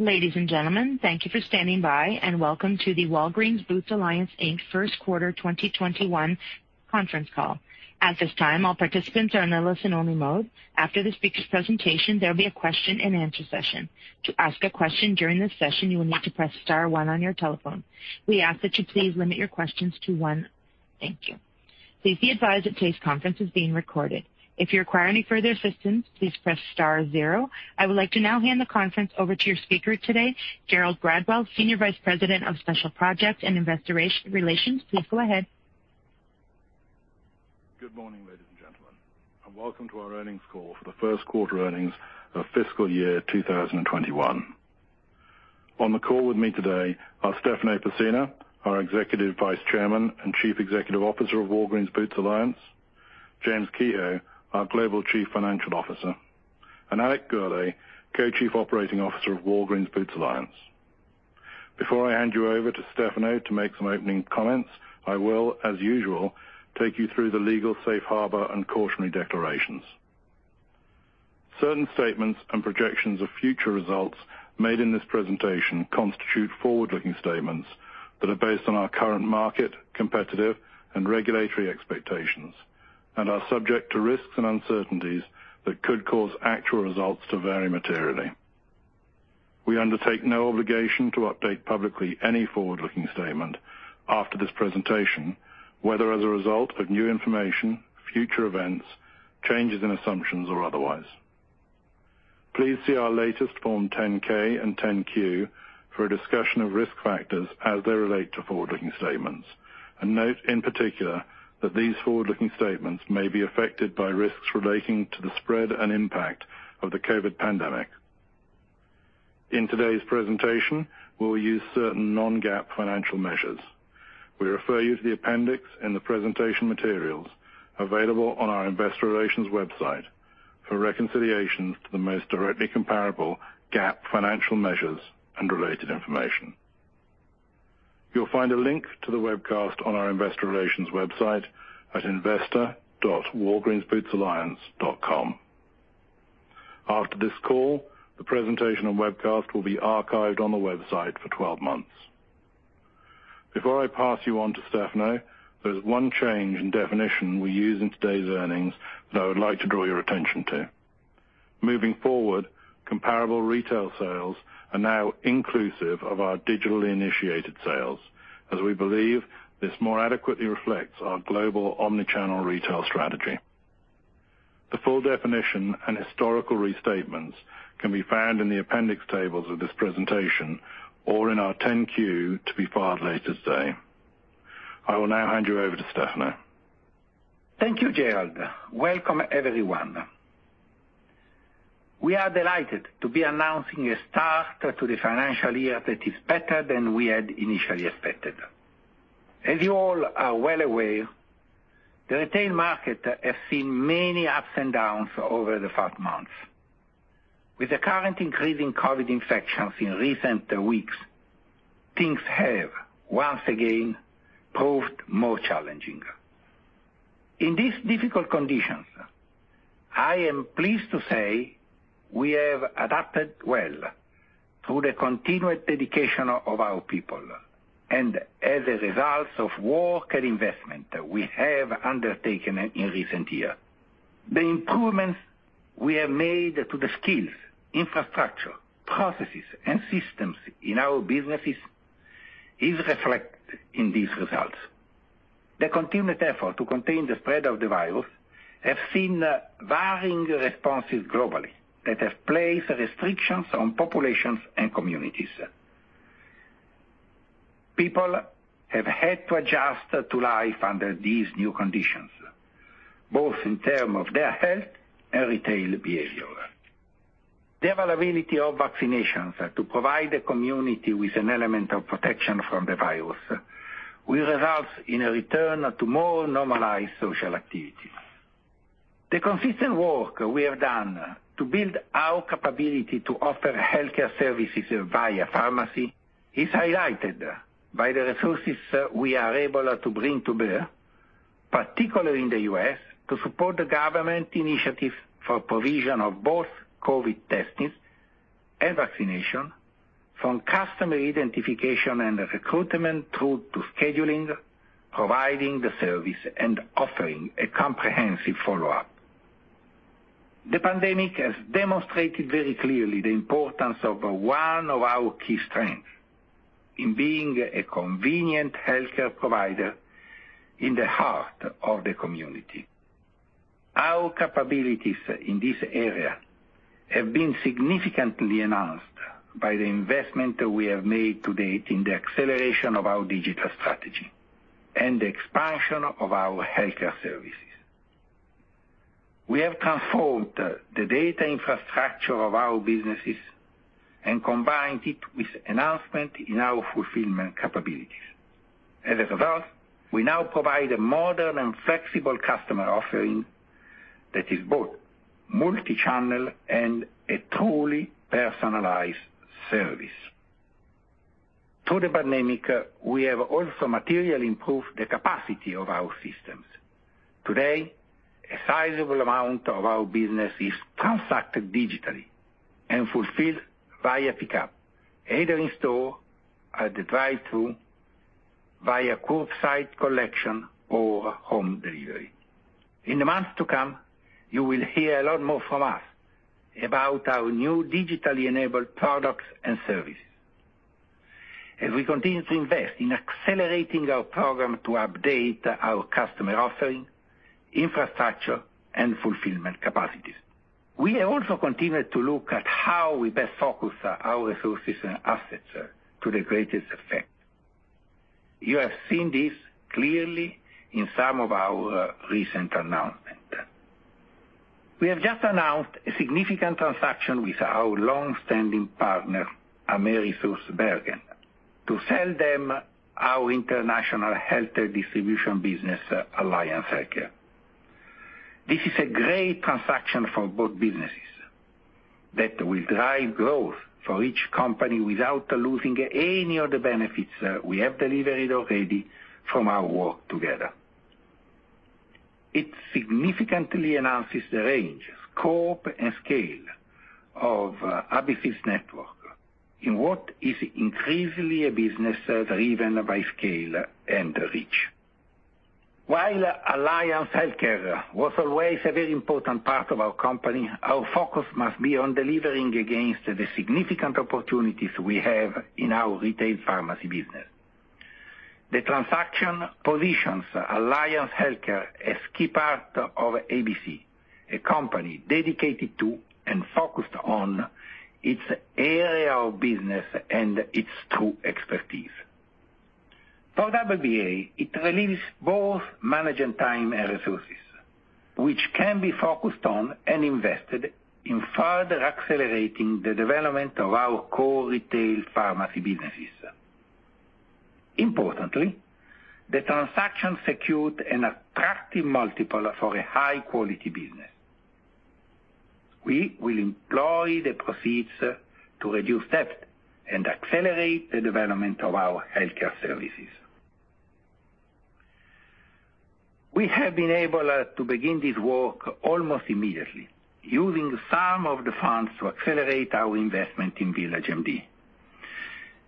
Ladies and gentlemen, thank you for standing by, and welcome to the Walgreens Boots Alliance, Inc. First quarter 2021 conference call. At this time all participants are in a listen only mode. After the speakers presentation there will be a question-and-answer session. To ask a question during the session you will need to press star and one on your telephone. We ask that you please limit your question yo one. Thank you. Please be advised that this session is being recorded. If you require any further assistance please press star zero. I would like to now hand the conference over to your speaker today, Gerald Gradwell, Senior Vice President of Special Projects and Investor Relations. Please go ahead. Good morning, ladies and gentlemen, and welcome to our earnings call for the first quarter earnings of fiscal year 2021. On the call with me today are Stefano Pessina, our Executive Vice Chairman and Chief Executive Officer of Walgreens Boots Alliance, James Kehoe, our Global Chief Financial Officer, and Alex Gourlay, Co-Chief Operating Officer of Walgreens Boots Alliance. Before I hand you over to Stefano to make some opening comments, I will, as usual, take you through the legal safe harbor and cautionary declarations. Certain statements and projections of future results made in this presentation constitute forward-looking statements that are based on our current market, competitive, and regulatory expectations and are subject to risks and uncertainties that could cause actual results to vary materially. We undertake no obligation to update publicly any forward-looking statement after this presentation, whether as a result of new information, future events, changes in assumptions, or otherwise. Please see our latest Form 10-K and 10-Q for a discussion of risk factors as they relate to forward-looking statements. Note in particular that these forward-looking statements may be affected by risks relating to the spread and impact of the COVID pandemic. In today's presentation, we'll use certain non-GAAP financial measures. We refer you to the appendix in the presentation materials available on our investor relations website for reconciliations to the most directly comparable GAAP financial measures and related information. You'll find a link to the webcast on our investor relations website at investor.walgreensbootsalliance.com. After this call, the presentation and webcast will be archived on the website for 12 months. Before I pass you on to Stefano, there is one change in definition we use in today's earnings that I would like to draw your attention to. Moving forward, comparable retail sales are now inclusive of our digitally initiated sales, as we believe this more adequately reflects our global omni-channel retail strategy. The full definition and historical restatements can be found in the appendix tables of this presentation or in our 10-Q to be filed later today. I will now hand you over to Stefano. Thank you, Gerald. Welcome, everyone. We are delighted to be announcing a start to the financial year that is better than we had initially expected. As you all are well aware, the retail market has seen many ups and downs over the past months. With the current increase in COVID infections in recent weeks, things have once again proved more challenging. In these difficult conditions, I am pleased to say we have adapted well through the continued dedication of our people and as a result of work and investment we have undertaken in recent years. The improvements we have made to the skills, infrastructure, processes, and systems in our businesses is reflected in these results. The continued effort to contain the spread of the virus have seen varying responses globally that have placed restrictions on populations and communities. People have had to adjust to life under these new conditions, both in terms of their health and retail behavior. The availability of vaccinations to provide the community with an element of protection from the virus will result in a return to more normalized social activities. The consistent work we have done to build our capability to offer healthcare services via pharmacy is highlighted by the resources we are able to bring to bear, particularly in the U.S., to support the government initiative for provision of both COVID testing and vaccination from customer identification and recruitment through to scheduling, providing the service, and offering a comprehensive follow-up. The pandemic has demonstrated very clearly the importance of one of our key strengths in being a convenient healthcare provider in the heart of the community. Our capabilities in this area have been significantly enhanced by the investment we have made to date in the acceleration of our digital strategy and the expansion of our healthcare services. We have transformed the data infrastructure of our businesses and combined it with enhancement in our fulfillment capabilities. As a result, we now provide a modern and flexible customer offering that is both multi-channel and a truly personalized service. Through the pandemic, we have also materially improved the capacity of our systems. Today, a sizable amount of our business is transacted digitally and fulfilled via pickup, either in store at the drive-through, via curbside collection, or home delivery. In the months to come, you will hear a lot more from us about our new digitally enabled products and services. As we continue to invest in accelerating our program to update our customer offering, infrastructure, and fulfillment capacities. We also continue to look at how we best focus our resources and assets to the greatest effect. You have seen this clearly in some of our recent announcements. We have just announced a significant transaction with our long-standing partner, AmerisourceBergen, to sell them our international health distribution business, Alliance Healthcare. This is a great transaction for both businesses that will drive growth for each company without losing any of the benefits we have delivered already from our work together. It significantly enhances the range, scope, and scale of ABC's network in what is increasingly a business driven by scale and reach. While Alliance Healthcare was always a very important part of our company, our focus must be on delivering against the significant opportunities we have in our retail pharmacy business. The transaction positions Alliance Healthcare as key part of ABC, a company dedicated to and focused on its area of business and its true expertise. For WBA, it relieves both management time and resources, which can be focused on and invested in further accelerating the development of our core retail pharmacy businesses. Importantly, the transaction secured an attractive multiple for a high-quality business. We will employ the proceeds to reduce debt and accelerate the development of our healthcare services. We have been able to begin this work almost immediately using some of the funds to accelerate our investment in VillageMD.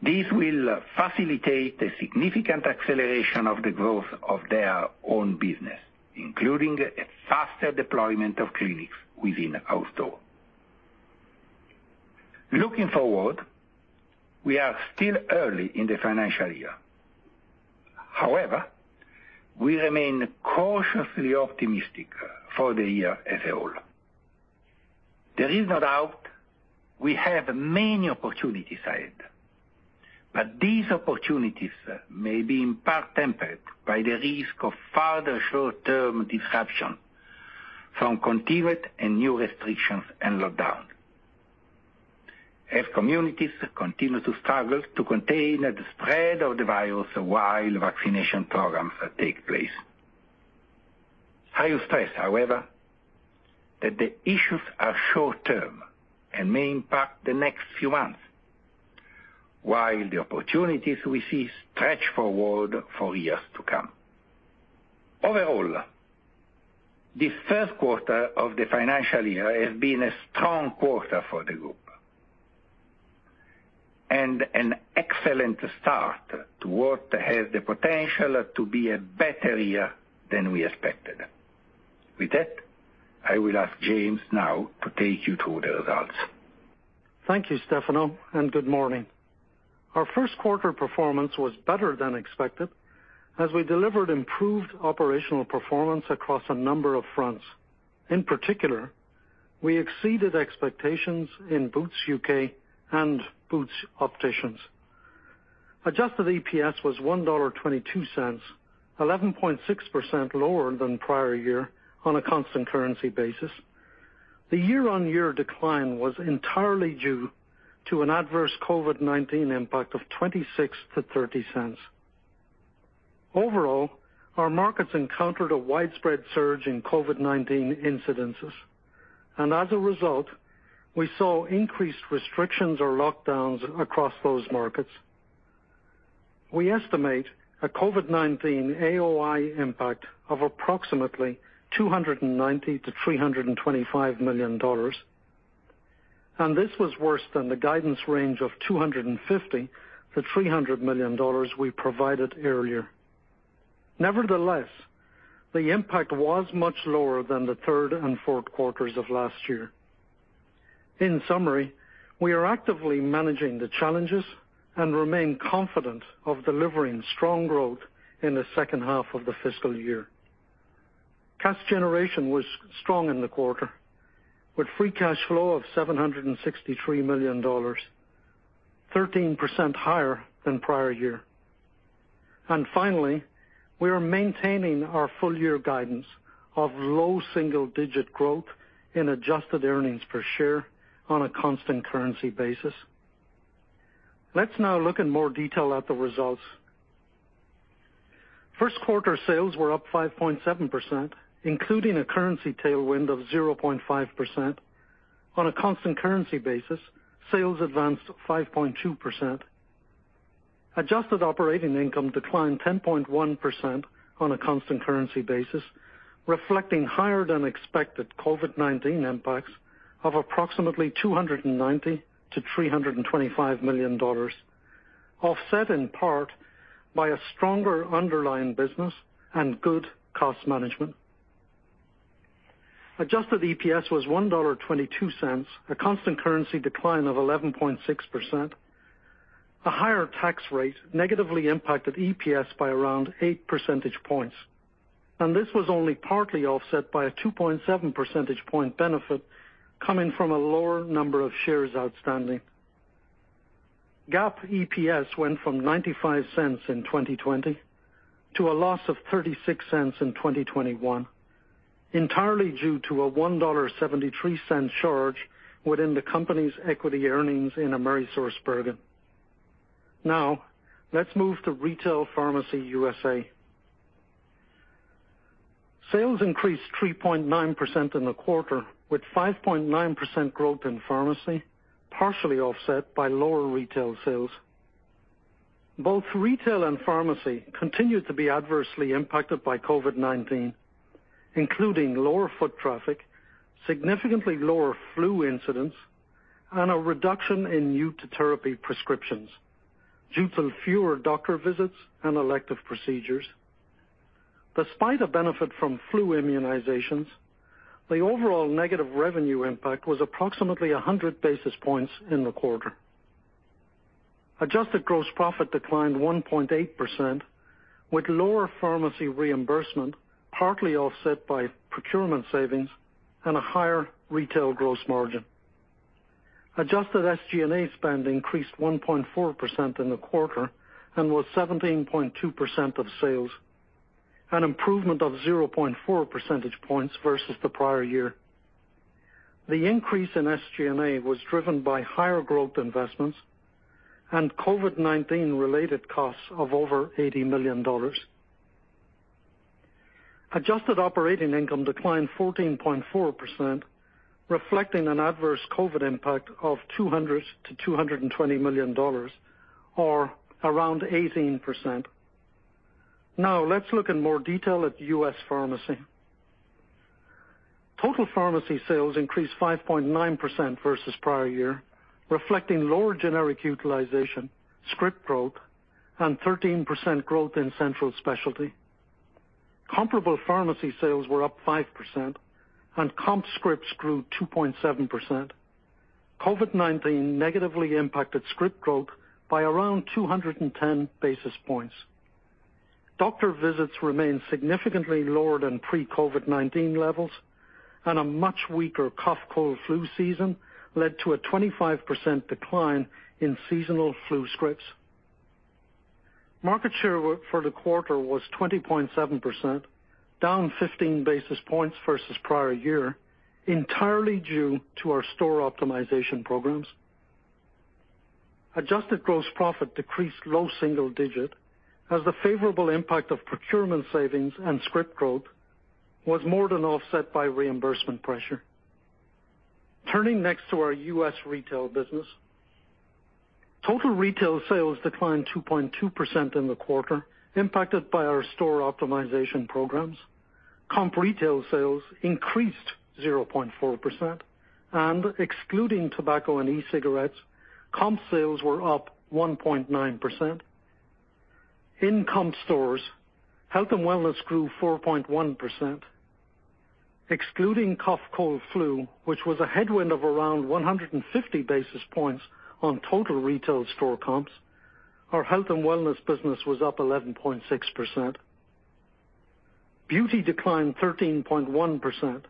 This will facilitate a significant acceleration of the growth of their own business, including a faster deployment of clinics within our store. Looking forward, we are still early in the financial year. However, we remain cautiously optimistic for the year as a whole. There is no doubt we have many opportunities ahead, but these opportunities may be in part tempered by the risk of further short-term disruption from continued and new restrictions and lockdown, as communities continue to struggle to contain the spread of the virus while vaccination programs take place. I will stress, however, that the issues are short-term and may impact the next few months, while the opportunities we see stretch forward for years to come. Overall, this first quarter of the financial year has been a strong quarter for the group, and an excellent start to what has the potential to be a better year than we expected. With that, I will ask James now to take you through the results. Thank you, Stefano, and good morning. Our first quarter performance was better than expected as we delivered improved operational performance across a number of fronts. In particular, we exceeded expectations in Boots U.K. and Boots Opticians. Adjusted EPS was $1.22, 11.6% lower than prior year on a constant currency basis. The year-on-year decline was entirely due to an adverse COVID-19 impact of $0.26-$0.30. Overall, our markets encountered a widespread surge in COVID-19 incidences, and as a result, we saw increased restrictions or lockdowns across those markets. We estimate a COVID-19 AOI impact of approximately $290 million-$325 million, and this was worse than the guidance range of $250 million-$300 million we provided earlier. Nevertheless, the impact was much lower than the third and fourth quarters of last year. In summary, we are actively managing the challenges and remain confident of delivering strong growth in the second half of the fiscal year. Cash generation was strong in the quarter, with free cash flow of $763 million, 13% higher than prior year. Finally, we are maintaining our full year guidance of low single-digit growth in adjusted earnings per share on a constant currency basis. Let's now look in more detail at the results. First quarter sales were up 5.7%, including a currency tailwind of 0.5%. On a constant currency basis, sales advanced 5.2%. Adjusted Operating Income declined 10.1% on a constant currency basis, reflecting higher than expected COVID-19 impacts of approximately $290 to $325 million, offset in part by a stronger underlying business and good cost management. Adjusted EPS was $1.22, a constant currency decline of 11.6%. A higher tax rate negatively impacted EPS by around eight percentage points. This was only partly offset by a 2.7 percentage point benefit coming from a lower number of shares outstanding. GAAP EPS went from $0.95 in 2020 to a loss of $0.36 in 2021, entirely due to a $1.73 charge within the company's equity earnings in AmerisourceBergen. Let's move to Retail Pharmacy U.S.. Sales increased 3.9% in the quarter, with 5.9% growth in pharmacy, partially offset by lower retail sales. Both retail and pharmacy continued to be adversely impacted by COVID-19, including lower foot traffic, significantly lower flu incidents, and a reduction in new therapy prescriptions due to fewer doctor visits and elective procedures. Despite a benefit from flu immunizations, the overall negative revenue impact was approximately 100 basis points in the quarter. Adjusted gross profit declined 1.8%, with lower pharmacy reimbursement, partly offset by procurement savings and a higher retail gross margin. Adjusted SG&A spend increased 1.4% in the quarter and was 17.2% of sales, an improvement of 0.4 percentage points versus the prior year. The increase in SG&A was driven by higher growth investments and COVID-19 related costs of over $80 million. Adjusted operating income declined 14.4%, reflecting an adverse COVID impact of $200 million-$220 million, or around 18%. Now, let's look in more detail at U.S. Pharmacy. Total pharmacy sales increased 5.9% versus prior year, reflecting lower generic utilization, script growth, and 13% growth in central specialty. Comparable pharmacy sales were up 5%, and comp scripts grew 2.7%. COVID-19 negatively impacted script growth by around 210 basis points. Doctor visits remained significantly lower than pre-COVID-19 levels, and a much weaker cough, cold, flu season led to a 25% decline in seasonal flu scripts. Market share for the quarter was 20.7%, down 15 basis points versus prior year, entirely due to our store optimization programs. Adjusted gross profit decreased low single digit as the favorable impact of procurement savings and script growth was more than offset by reimbursement pressure. Turning next to our U.S. retail business. Total retail sales declined 2.2% in the quarter, impacted by our store optimization programs. Comp retail sales increased 0.4%, and excluding tobacco and e-cigarettes, comp sales were up 1.9%. In comp stores, health and wellness grew 4.1%, excluding cough, cold, flu, which was a headwind of around 150 basis points on total retail store comps. Our health and wellness business was up 11.6%. Beauty declined 13.1%,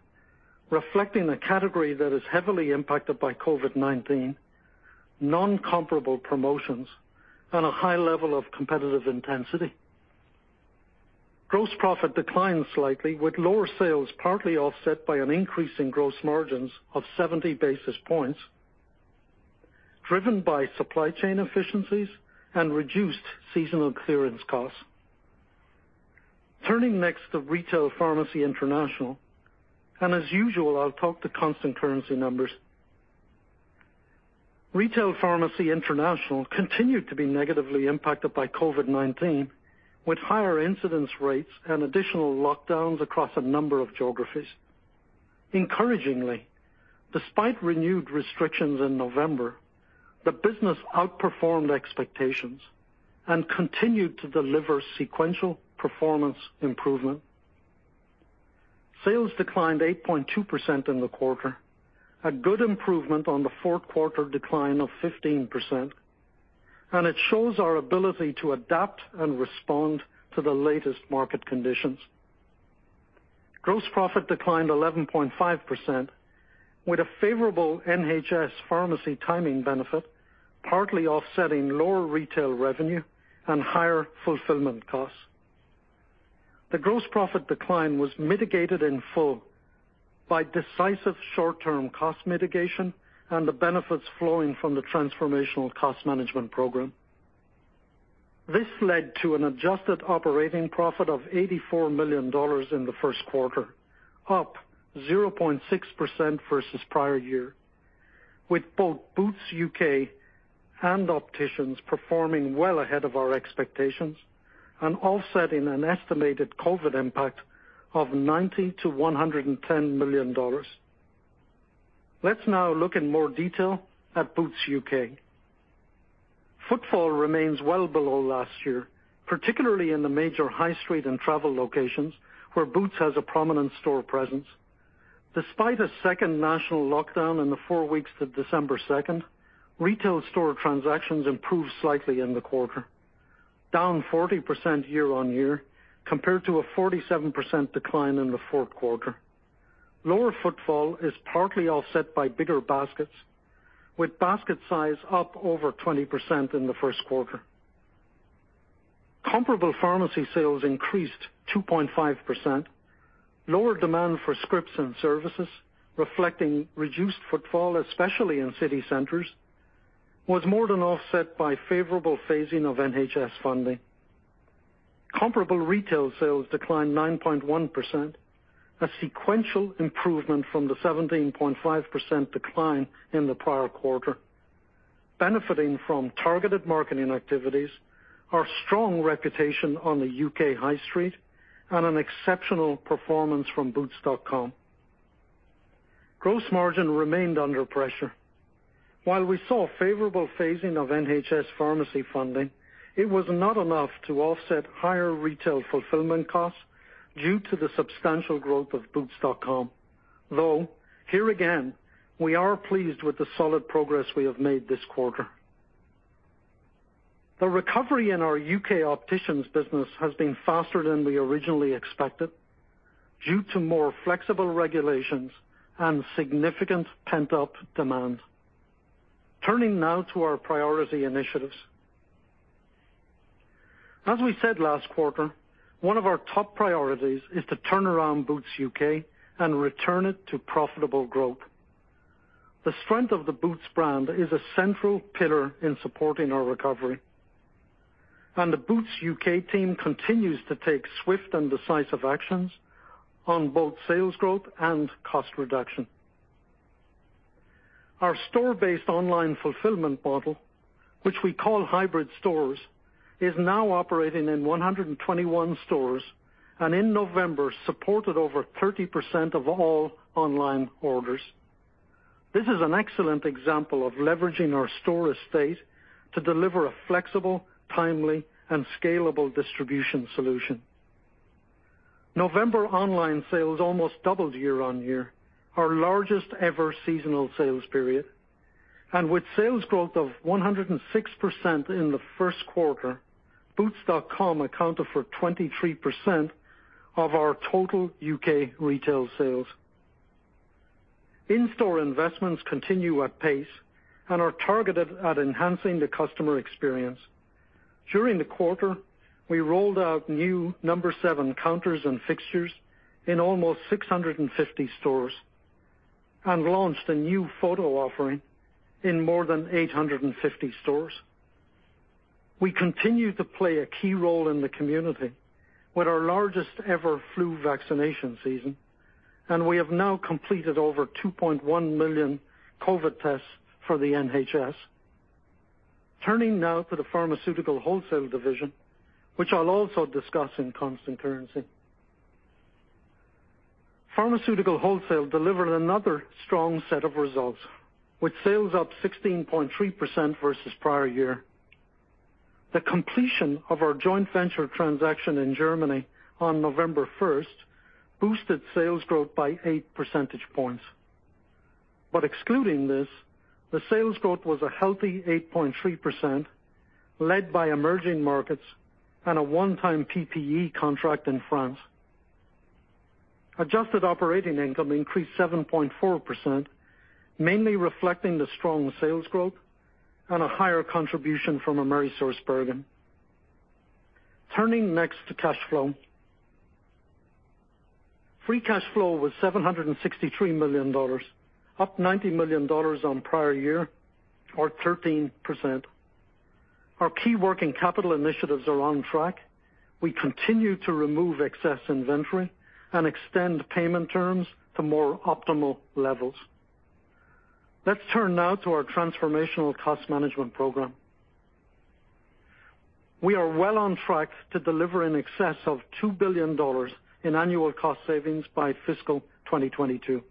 reflecting a category that is heavily impacted by COVID-19, non-comparable promotions, and a high level of competitive intensity. Gross profit declined slightly with lower sales, partly offset by an increase in gross margins of 70 basis points, driven by supply chain efficiencies and reduced seasonal clearance costs. Turning next to Retail Pharmacy International, and as usual, I'll talk to constant currency numbers. Retail Pharmacy International continued to be negatively impacted by COVID-19, with higher incidence rates and additional lockdowns across a number of geographies. Encouragingly, despite renewed restrictions in November, the business outperformed expectations and continued to deliver sequential performance improvement. Sales declined 8.2% in the quarter, a good improvement on the fourth quarter decline of 15%, and it shows our ability to adapt and respond to the latest market conditions. Gross profit declined 11.5%, with a favorable NHS pharmacy timing benefit, partly offsetting lower retail revenue and higher fulfillment costs. The gross profit decline was mitigated in full by decisive short-term cost mitigation and the benefits flowing from the transformational cost management program. This led to an adjusted operating profit of $84 million in the first quarter, up 0.6% versus prior year, with both Boots U.K. and Opticians performing well ahead of our expectations and offsetting an estimated COVID impact of $90 million-$110 million. Let's now look in more detail at Boots U.K.. Footfall remains well below last year, particularly in the major high street and travel locations where Boots has a prominent store presence. Despite a second national lockdown in the four weeks to December 2nd, retail store transactions improved slightly in the quarter, down 40% year-over-year, compared to a 47% decline in the fourth quarter. Lower footfall is partly offset by bigger baskets, with basket size up over 20% in the first quarter. Comparable pharmacy sales increased 2.5%. Lower demand for scripts and services reflecting reduced footfall, especially in city centers, was more than offset by favorable phasing of NHS funding. Comparable retail sales declined 9.1%, a sequential improvement from the 17.5% decline in the prior quarter. Benefiting from targeted marketing activities, our strong reputation on the U.K. High Street, and an exceptional performance from boots.com. Gross margin remained under pressure. While we saw a favorable phasing of NHS pharmacy funding, it was not enough to offset higher retail fulfillment costs due to the substantial growth of boots.com. Though, here again, we are pleased with the solid progress we have made this quarter. The recovery in our U.K. Opticians business has been faster than we originally expected due to more flexible regulations and significant pent-up demand. Turning now to our priority initiatives. As we said last quarter, one of our top priorities is to turn around Boots U.K. and return it to profitable growth. The strength of the Boots brand is a central pillar in supporting our recovery, and the Boots U.K. team continues to take swift and decisive actions on both sales growth and cost reduction. Our store-based online fulfillment model, which we call hybrid stores, is now operating in 121 stores, and in November, supported over 30% of all online orders. This is an excellent example of leveraging our store estate to deliver a flexible, timely, and scalable distribution solution. November online sales almost doubled year-on-year, our largest ever seasonal sales period. With sales growth of 106% in the first quarter, boots.com accounted for 23% of our total U.K. retail sales. In-store investments continue at pace and are targeted at enhancing the customer experience. During the quarter, we rolled out new No7 counters and fixtures in almost 650 stores and launched a new photo offering in more than 850 stores. We continue to play a key role in the community with our largest ever flu vaccination season, and we have now completed over 2.1 million COVID tests for the NHS. Turning now to the Pharmaceutical Wholesale division, which I'll also discuss in constant currency. Pharmaceutical Wholesale delivered another strong set of results, with sales up 16.3% versus prior year. The completion of our joint venture transaction in Germany on November 1st boosted sales growth by 8 percentage points. Excluding this, the sales growth was a healthy 8.3%, led by emerging markets and a one-time PPE contract in France. Adjusted operating income increased 7.4%, mainly reflecting the strong sales growth and a higher contribution from AmerisourceBergen. Turning next to cash flow. Free cash flow was $763 million, up $90 million on prior year or 13%. Our key working capital initiatives are on track. We continue to remove excess inventory and extend payment terms to more optimal levels. Let's turn now to our transformational cost management program. We are well on track to deliver in excess of $2 billion in annual cost savings by fiscal 2022.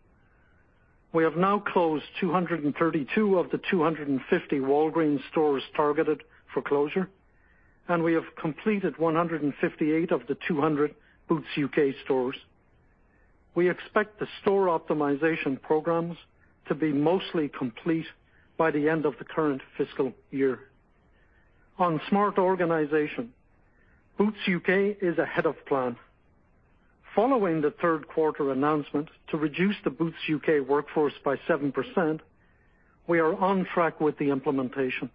We have now closed 232 of the 250 Walgreens stores targeted for closure, and we have completed 158 of the 200 Boots U.K. stores. We expect the store optimization programs to be mostly complete by the end of the current fiscal year. On smart organization, Boots U.K. is ahead of plan. Following the third quarter announcement to reduce the Boots U.K. workforce by 7%, we are on track with the implementation.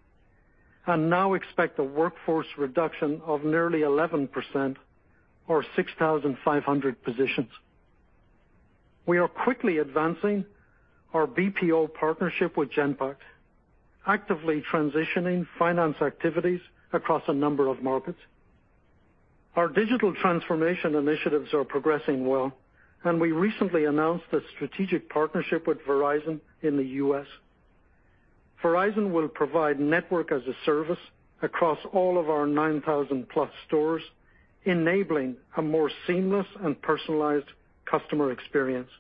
Now expect a workforce reduction of nearly 11% or 6,500 positions. We are quickly advancing our BPO partnership with Genpact, actively transitioning finance activities across a number of markets. Our digital transformation initiatives are progressing well, and we recently announced a strategic partnership with Verizon in the U.S. Verizon will provide Network as a Service across all of our 9,000+ stores, enabling a more seamless and personalized customer experience.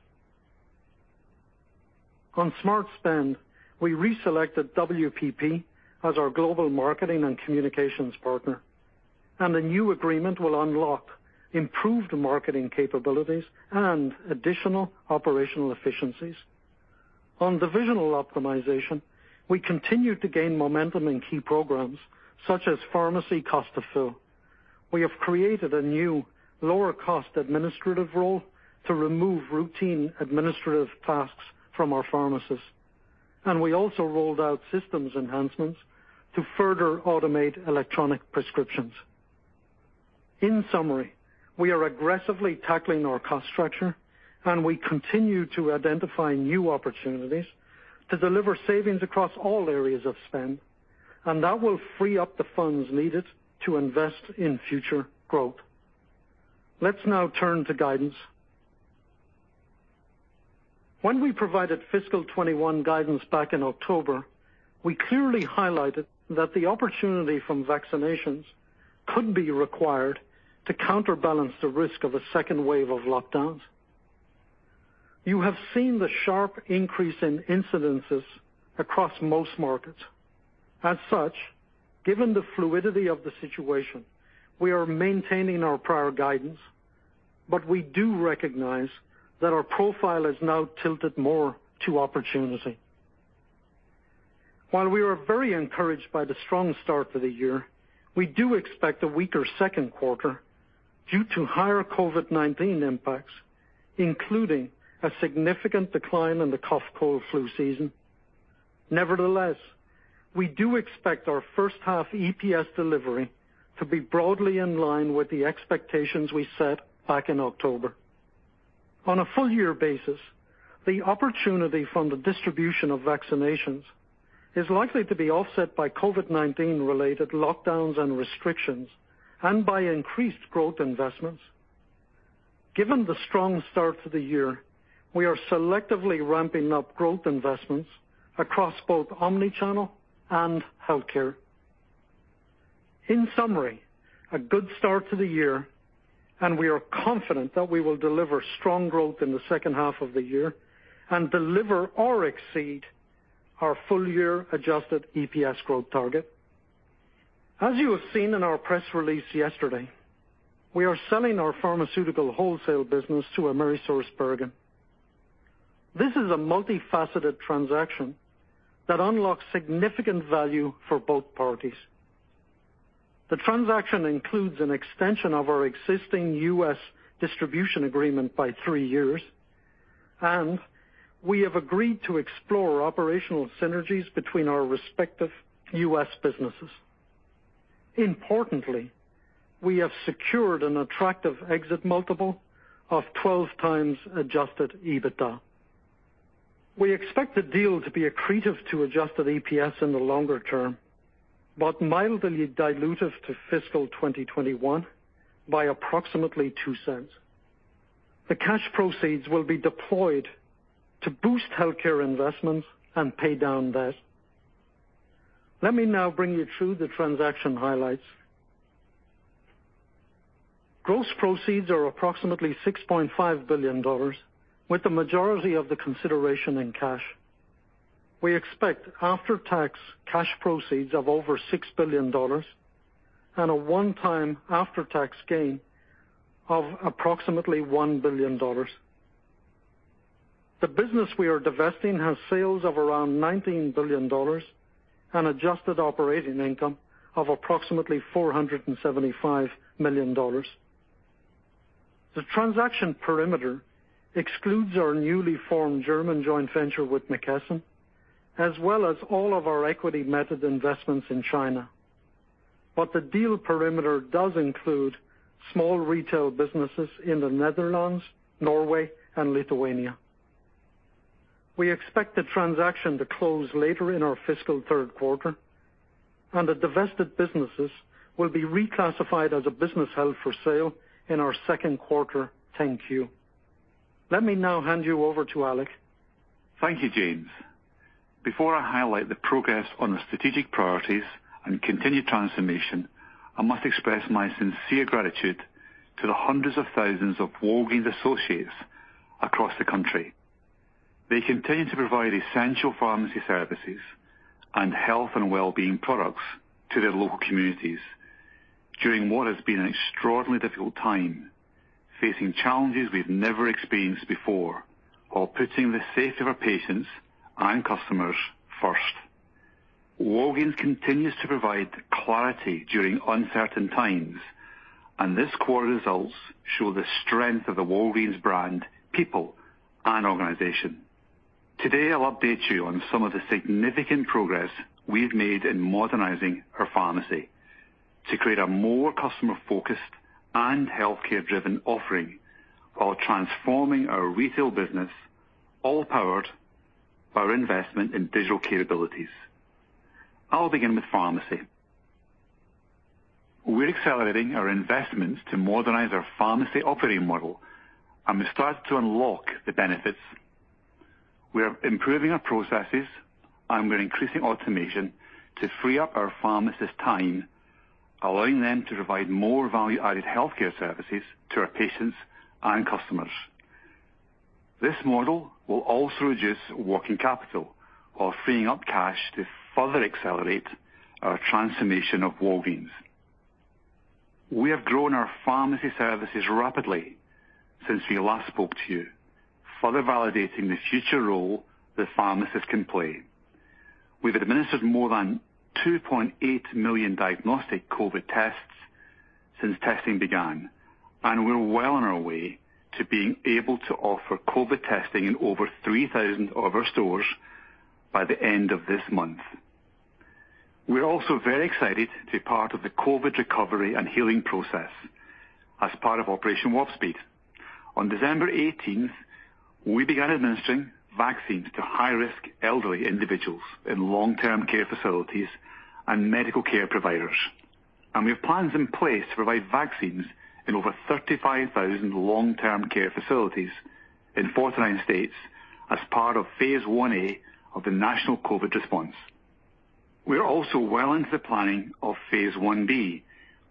On smart spend, we reselected WPP as our global marketing and communications partner, and the new agreement will unlock improved marketing capabilities and additional operational efficiencies. On divisional optimization, we continued to gain momentum in key programs such as pharmacy cost of fill. We have created a new lower cost administrative role to remove routine administrative tasks from our pharmacists. We also rolled out systems enhancements to further automate electronic prescriptions. In summary, we are aggressively tackling our cost structure, and we continue to identify new opportunities to deliver savings across all areas of spend, and that will free up the funds needed to invest in future growth. Let's now turn to guidance. When we provided fiscal 2021 guidance back in October, we clearly highlighted that the opportunity from vaccinations could be required to counterbalance the risk of a second wave of lockdowns. You have seen the sharp increase in incidences across most markets. As such, given the fluidity of the situation, we are maintaining our prior guidance, but we do recognize that our profile is now tilted more to opportunity. While we are very encouraged by the strong start to the year, we do expect a weaker second quarter due to higher COVID-19 impacts, including a significant decline in the cough, cold, flu season. Nevertheless, we do expect our first half EPS delivery to be broadly in line with the expectations we set back in October. On a full year basis, the opportunity from the distribution of vaccinations is likely to be offset by COVID-19 related lockdowns and restrictions and by increased growth investments. Given the strong start to the year, we are selectively ramping up growth investments across both omni-channel and healthcare. In summary, a good start to the year, and we are confident that we will deliver strong growth in the second half of the year and deliver or exceed our full year adjusted EPS growth target. As you have seen in our press release yesterday, we are selling our Pharmaceutical Wholesale business to AmerisourceBergen. This is a multifaceted transaction that unlocks significant value for both parties. The transaction includes an extension of our existing U.S. distribution agreement by three years. We have agreed to explore operational synergies between our respective U.S. businesses. Importantly, we have secured an attractive exit multiple of 12 times adjusted EBITDA. We expect the deal to be accretive to adjusted EPS in the longer term, mildly dilutive to fiscal 2021 by approximately $0.02. The cash proceeds will be deployed to boost healthcare investments and pay down debt. Let me now bring you through the transaction highlights. Gross proceeds are approximately $6.5 billion, with the majority of the consideration in cash. We expect after-tax cash proceeds of over $6 billion and a one-time after-tax gain of approximately $1 billion. The business we are divesting has sales of around $19 billion and adjusted operating income of approximately $475 million. The transaction perimeter excludes our newly formed German joint venture with McKesson, as well as all of our equity method investments in China. The deal perimeter does include small retail businesses in the Netherlands, Norway and Lithuania. We expect the transaction to close later in our fiscal third quarter, and the divested businesses will be reclassified as a business held for sale in our second quarter 10-Q. Let me now hand you over to Alex. Thank you, James. Before I highlight the progress on the strategic priorities and continued transformation, I must express my sincere gratitude to the hundreds of thousands of Walgreens associates across the country. They continue to provide essential pharmacy services and health and wellbeing products to their local communities during what has been an extraordinarily difficult time, facing challenges we've never experienced before, while putting the safety of our patients and customers first. Walgreens continues to provide clarity during uncertain times, and this quarter results show the strength of the Walgreens brand, people, and organization. Today, I'll update you on some of the significant progress we've made in modernizing our pharmacy to create a more customer-focused and healthcare-driven offering while transforming our retail business, all powered by our investment in digital capabilities. I'll begin with pharmacy. We're accelerating our investments to modernize our pharmacy operating model, and we start to unlock the benefits. We are improving our processes, and we're increasing automation to free up our pharmacists' time, allowing them to provide more value-added healthcare services to our patients and customers. This model will also reduce working capital while freeing up cash to further accelerate our transformation of Walgreens. We have grown our pharmacy services rapidly since we last spoke to you, further validating the future role that pharmacists can play. We've administered more than 2.8 million diagnostic COVID tests since testing began, and we're well on our way to being able to offer COVID testing in over 3,000 of our stores by the end of this month. We're also very excited to be part of the COVID recovery and healing process as part of Operation Warp Speed. On December 18th, we began administering vaccines to high-risk elderly individuals in long-term care facilities and medical care providers. We have plans in place to provide vaccines in over 35,000 long-term care facilities in 49 states as part of phase I-A of the national COVID response. We are also well into the planning of phase I-b,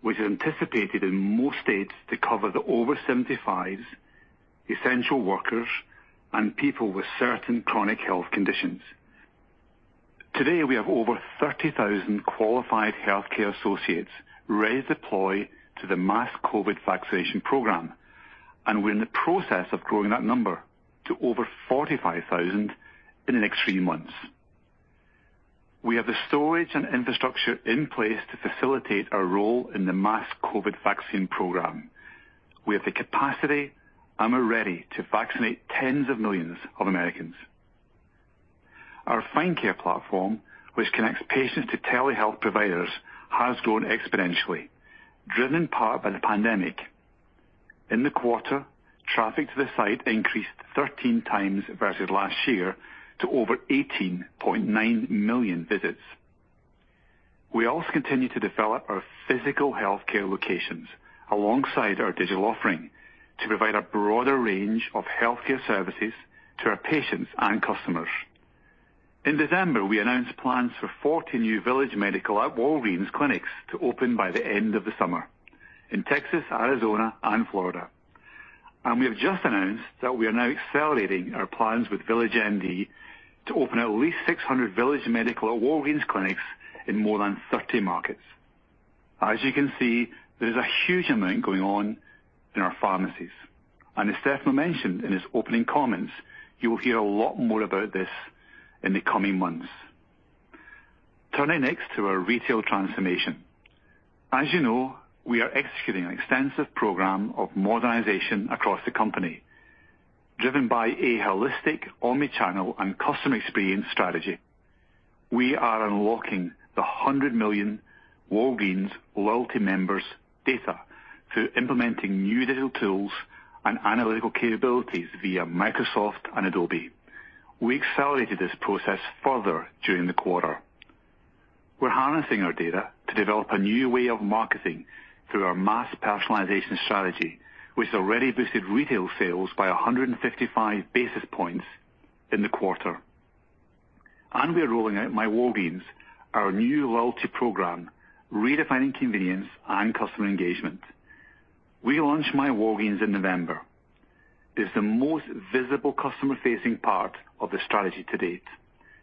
which is anticipated in most states to cover the over 75s, essential workers, and people with certain chronic health conditions. Today, we have over 30,000 qualified healthcare associates ready to deploy to the mass COVID vaccination program, and we're in the process of growing that number to over 45,000 in the next three months. We have the storage and infrastructure in place to facilitate our role in the mass COVID vaccine program. We have the capacity, and we're ready to vaccinate tens of millions of Americans. Our Find Care platform, which connects patients to telehealth providers, has grown exponentially, driven in part by the pandemic. In the quarter, traffic to the site increased 13 times versus last year to over 18.9 million visits. We also continue to develop our physical healthcare locations alongside our digital offering to provide a broader range of healthcare services to our patients and customers. In December, we announced plans for 40 new Village Medical at Walgreens clinics to open by the end of the summer in Texas, Arizona, and Florida. We have just announced that we are now accelerating our plans with VillageMD to open at least 600 Village Medical at Walgreens clinics in more than 30 markets. As you can see, there's a huge amount going on in our pharmacies. As Stefano mentioned in his opening comments, you will hear a lot more about this in the coming months. Turning next to our retail transformation. As you know, we are executing an extensive program of modernization across the company, driven by a holistic omni-channel and customer experience strategy. We are unlocking the 100 million Walgreens loyalty members data through implementing new digital tools and analytical capabilities via Microsoft and Adobe. We accelerated this process further during the quarter. We're harnessing our data to develop a new way of marketing through our mass personalization strategy, which already boosted retail sales by 155 basis points in the quarter. We are rolling out myWalgreens, our new loyalty program, redefining convenience and customer engagement. We launched myWalgreens in November. It's the most visible customer-facing part of the strategy to date.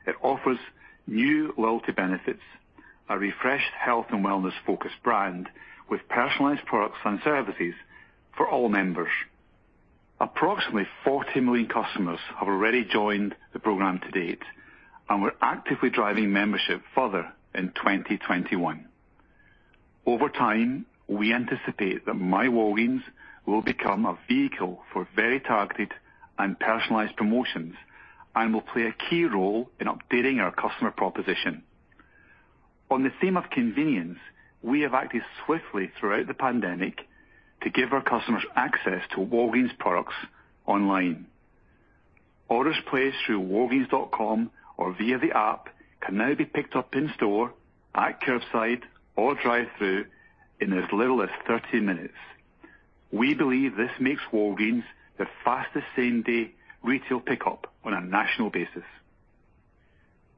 It offers new loyalty benefits, a refreshed health and wellness focused brand with personalized products and services for all members. Approximately 40 million customers have already joined the program to date, and we're actively driving membership further in 2021. Over time, we anticipate that myWalgreens will become a vehicle for very targeted and personalized promotions and will play a key role in updating our customer proposition. On the theme of convenience, we have acted swiftly throughout the pandemic to give our customers access to Walgreens products online. Orders placed through walgreens.com or via the app can now be picked up in store, at curbside, or drive-thru in as little as 30 minutes. We believe this makes Walgreens the fastest same-day retail pickup on a national basis.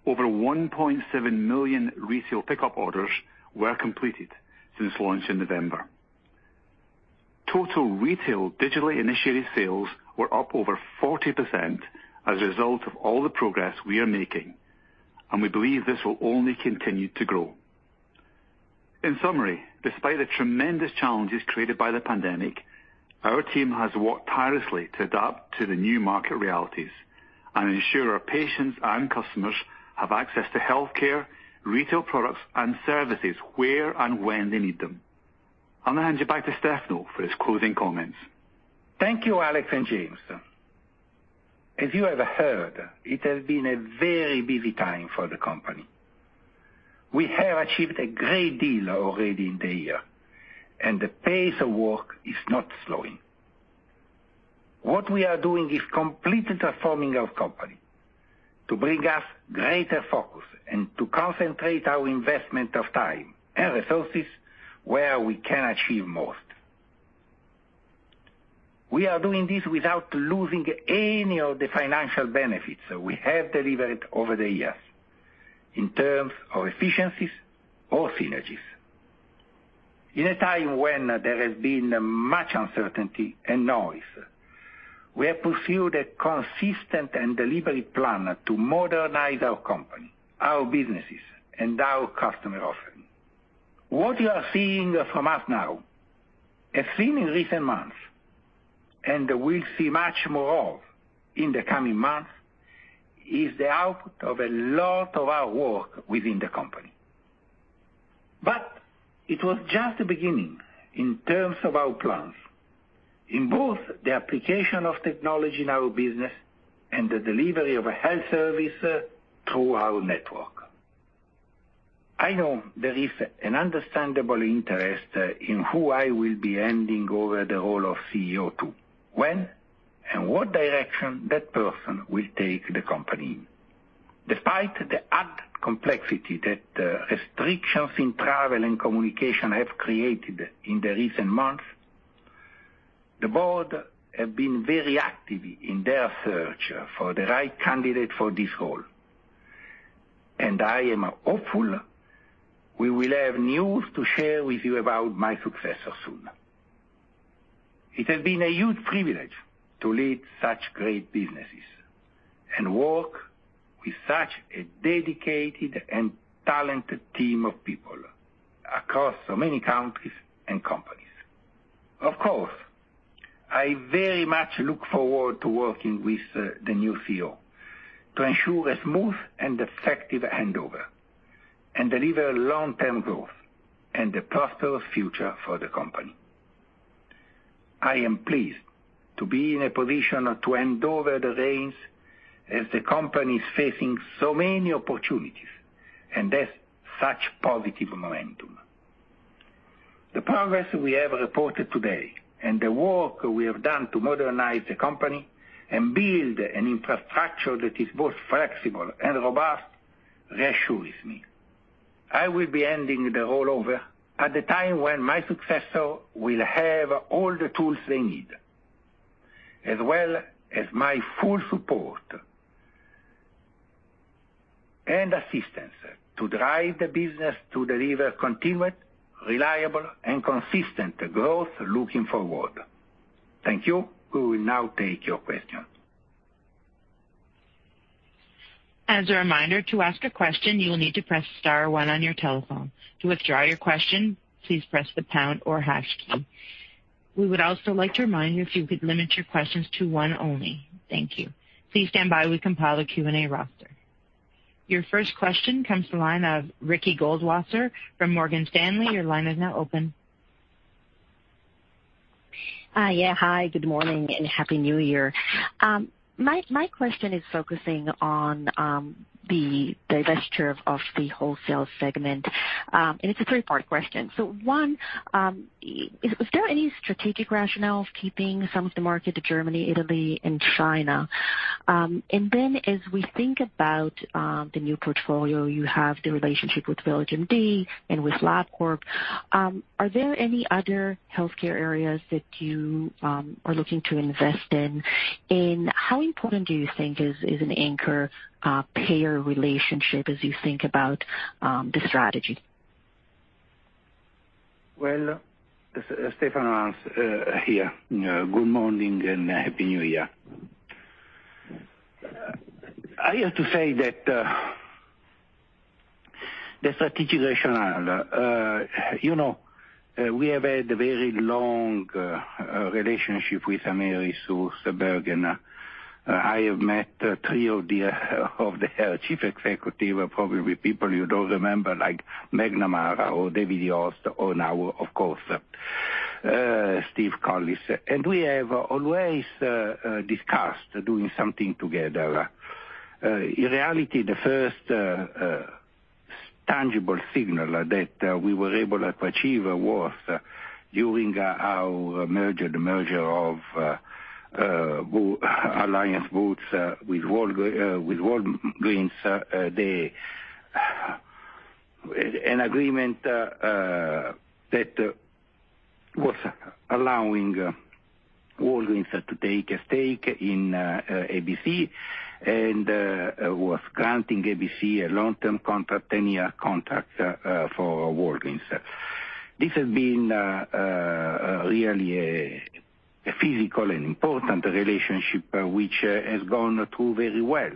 Over 1.7 million retail pickup orders were completed since launch in November. Total retail digitally initiated sales were up over 40% as a result of all the progress we are making, and we believe this will only continue to grow. In summary, despite the tremendous challenges created by the pandemic, our team has worked tirelessly to adapt to the new market realities and ensure our patients and customers have access to healthcare, retail products, and services where and when they need them. I'm going to hand you back to Stefano for his closing comments. Thank you, Alex and James. As you have heard, it has been a very busy time for the company. We have achieved a great deal already in the year, and the pace of work is not slowing. What we are doing is completely transforming our company to bring us greater focus and to concentrate our investment of time and resources where we can achieve most. We are doing this without losing any of the financial benefits that we have delivered over the years in terms of efficiencies or synergies. In a time when there has been much uncertainty and noise, we have pursued a consistent and deliberate plan to modernize our company, our businesses, and our customer offering. What you are seeing from us now, have seen in recent months, and will see much more of in the coming months, is the output of a lot of our work within the company. It was just the beginning in terms of our plans, in both the application of technology in our business and the delivery of a health service through our network. I know there is an understandable interest in who I will be handing over the role of CEO to, when, and what direction that person will take the company in. Despite the added complexity that restrictions in travel and communication have created in the recent months, the board have been very active in their search for the right candidate for this role, and I am hopeful we will have news to share with you about my successor soon. It has been a huge privilege to lead such great businesses and work with such a dedicated and talented team of people across so many countries and companies. Of course, I very much look forward to working with the new CEO to ensure a smooth and effective handover and deliver long-term growth and a prosperous future for the company. I am pleased to be in a position to hand over the reins as the company is facing so many opportunities and has such positive momentum. The progress we have reported today and the work we have done to modernize the company and build an infrastructure that is both flexible and robust reassures me. I will be handing the role over at the time when my successor will have all the tools they need, as well as my full support and assistance to drive the business to deliver continued, reliable, and consistent growth looking forward. Thank you. We will now take your questions. As a reminder, to ask a question, you will need to press star one on your telephone. To withdraw your question, please press the pound or hash key. We would also like to remind you if you could limit your questions to one only. Thank you. Your first question comes from the line of Ricky Goldwasser from Morgan Stanley. Hi. Good morning and Happy New Year. My question is focusing on the divestiture of the wholesale segment. It's a three-part question. One, is there any strategic rationale of keeping some of the market to Germany, Italy, and China? Then as we think about the new portfolio, you have the relationship with VillageMD and with LabCorp. Are there any other healthcare areas that you are looking to invest in? How important do you think is an anchor payer relationship as you think about the strategy? Well, Stefano here. Good morning and Happy New Year. I have to say that the strategic rationale, we have had a very long relationship with AmerisourceBergen. I have met three of their chief executive, probably people you don't remember, like McNamara or David Yost, or now, of course, Steven Collis. We have always discussed doing something together. In reality, the first tangible signal that we were able to achieve was during our merger, the merger of Alliance Boots with Walgreens. An agreement that was allowing Walgreens to take a stake in ABC and was granting ABC a long-term contract, 10-year contract for Walgreens. This has been really a physical and important relationship which has gone through very well.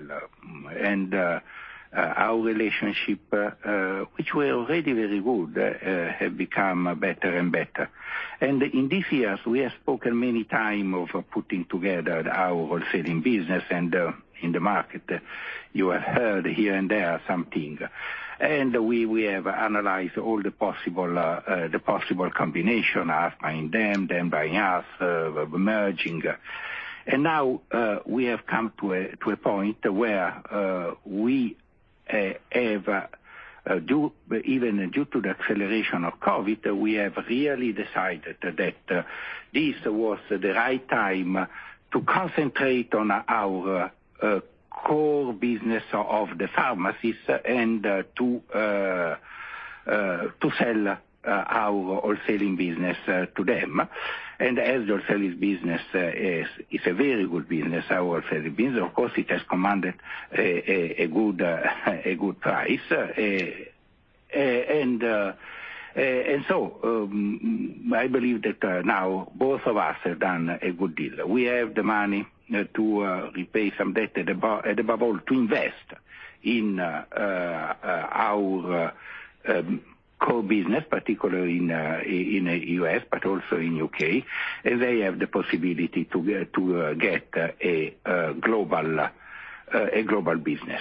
Our relationship, which were already very good, have become better and better. In these years, we have spoken many time of putting together our wholesaling business and in the market. You have heard here and there something. We have analyzed all the possible combination, us buying them buying us, merging. Now, we have come to a point where we have, even due to the acceleration of COVID, we have really decided that this was the right time to concentrate on our core business of the pharmacies and to sell our wholesaling business to them. As the wholesaling business is a very good business, our wholesaling business, of course, it has commanded a good price. I believe that now both of us have done a good deal. We have the money to repay some debt and above all, to invest in our core business, particularly in U.S., but also in U.K., and they have the possibility to get a global business.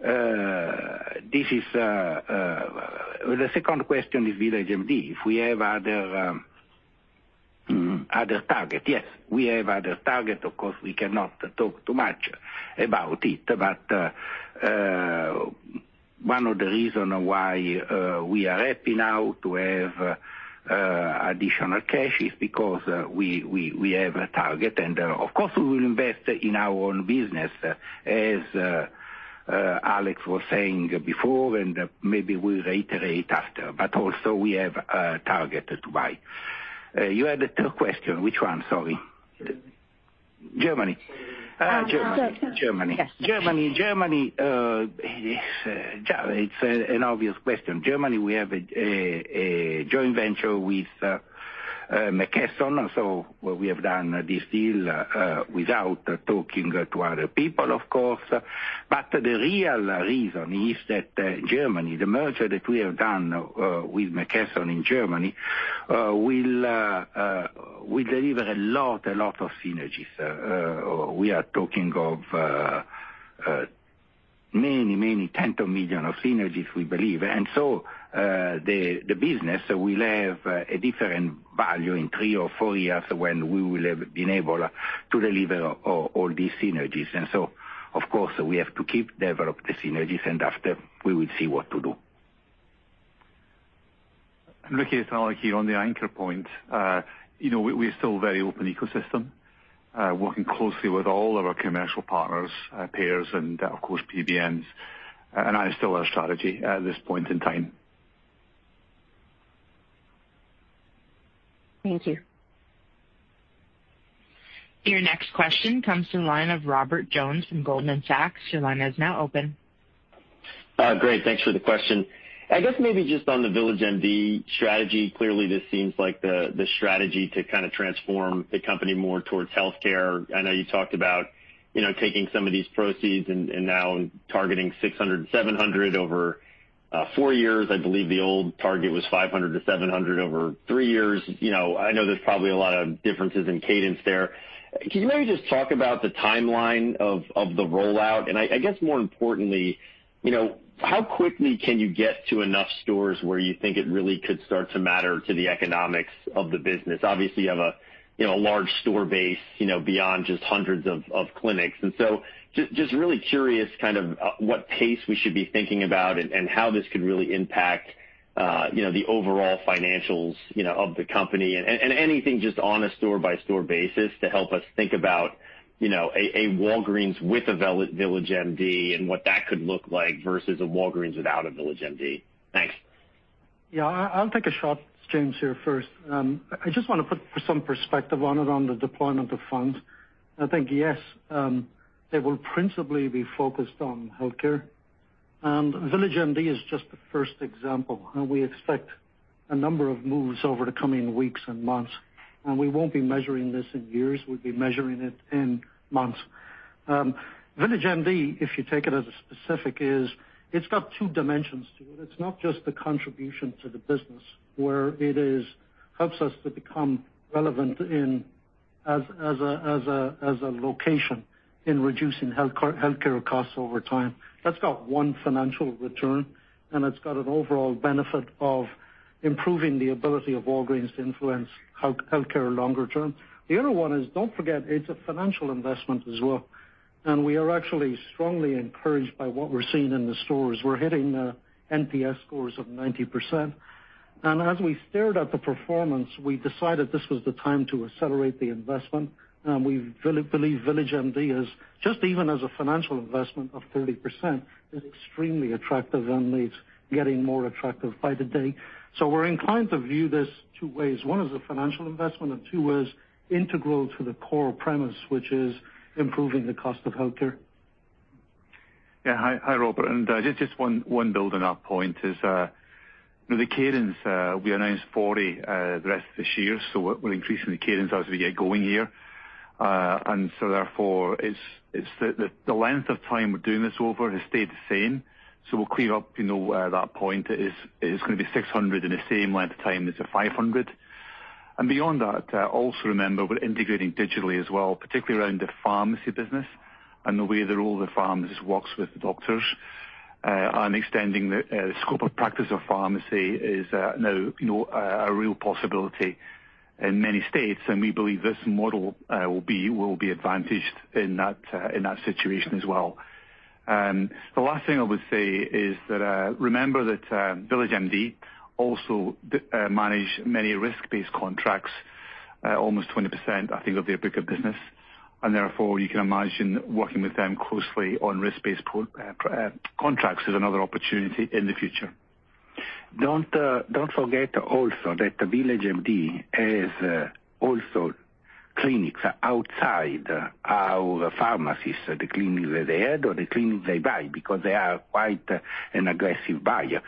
The second question is VillageMD, if we have other target. Yes, we have other target. Of course, we cannot talk too much about it. One of the reason why we are happy now to have additional cash is because we have a target and, of course, we will invest in our own business, as Alex was saying before, and maybe we'll reiterate after. Also, we have a target to buy. You had a third question. Which one? Sorry. Germany. Germany. Germany. Yes. Germany. Germany, it's an obvious question. Germany, we have a joint venture with McKesson, so we have done this deal without talking to other people, of course. The real reason is that Germany, the merger that we have done with McKesson in Germany, will deliver a lot of synergies. We are talking of many tens of million of synergies, we believe. The business will have a different value in three or four years when we will have been able to deliver all these synergies. Of course, we have to keep develop the synergies, and after, we will see what to do. Ricky, it's Alex here. On the anchor payer, we're still very open ecosystem, working closely with all of our commercial partners, payers, and of course, PBMs. That is still our strategy at this point in time. Thank you. Your next question comes to the line of Robert Jones from Goldman Sachs. Your line is now open. Great. Thanks for the question. I guess maybe just on the VillageMD strategy. Clearly, this seems like the strategy to kind of transform the company more towards healthcare. I know you talked about taking some of these proceeds and now targeting 600 and 700 over four years. I believe the old target was 500-700 over three years. I know there's probably a lot of differences in cadence there. Can you maybe just talk about the timeline of the rollout? I guess more importantly, how quickly can you get to enough stores where you think it really could start to matter to the economics of the business? Obviously, you have a large store base, beyond just hundreds of clinics. Just really curious kind of what pace we should be thinking about and how this could really impact the overall financials of the company. Anything just on a store-by-store basis to help us think about a Walgreens with a VillageMD and what that could look like versus a Walgreens without a VillageMD. Thanks. I'll take a shot, James, here first. I just want to put some perspective on it on the deployment of funds. I think, yes, they will principally be focused on healthcare. VillageMD is just the first example, and we expect a number of moves over the coming weeks and months. We won't be measuring this in years. We'll be measuring it in months. VillageMD, if you take it as a specific is, it's got two dimensions to it. It's not just the contribution to the business where it helps us to become relevant as a location in reducing healthcare costs over time. That's got one financial return, and it's got an overall benefit of improving the ability of Walgreens to influence healthcare longer term. The other one is, don't forget, it's a financial investment as well, and we are actually strongly encouraged by what we're seeing in the stores. We're hitting NPS scores of 90%. As we stared at the performance, we decided this was the time to accelerate the investment. We believe VillageMD is just even as a financial investment of 30%, is extremely attractive and it's getting more attractive by the day. We're inclined to view this two ways. One is a financial investment, and two is integral to the core premise, which is improving the cost of healthcare. Yeah. Hi, Robert. Just one build on that point is, the cadence, we announced 40 the rest of this year, so we're increasing the cadence as we get going here. Therefore, the length of time we're doing this over has stayed the same. We'll clear up that point. It's going to be 600 in the same length of time as the 500. Beyond that, also remember, we're integrating digitally as well, particularly around the pharmacy business and the way that all the pharmacies works with the doctors. Extending the scope of practice of pharmacy is now a real possibility in many states, and we believe this model will be advantaged in that situation as well. The last thing I would say is that, remember that VillageMD also manage many risk-based contracts. Almost 20%, I think, of their bigger business. Therefore, you can imagine working with them closely on risk-based contracts is another opportunity in the future. Don't forget also that VillageMD has also clinics outside our pharmacies, the clinics that they had or the clinics they buy, because they are quite an aggressive buyer.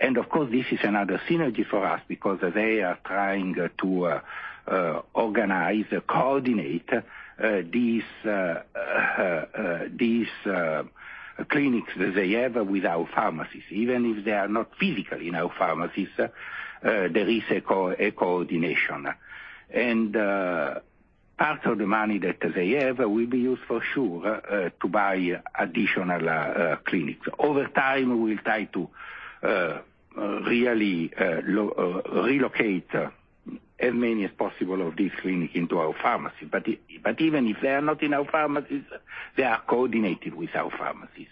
Of course, this is another synergy for us because they are trying to organize, coordinate these clinics that they have with our pharmacies. Even if they are not physically in our pharmacies, there is a coordination. Part of the money that they have will be used for sure to buy additional clinics. Over time, we'll try to really relocate as many as possible of these clinic into our pharmacy. Even if they are not in our pharmacies, they are coordinated with our pharmacies.